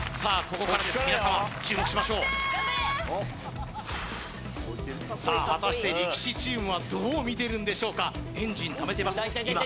ここからです皆さん注目しましょうさあ果たして力士チームはどう見てるんでしょうかエンジンためてます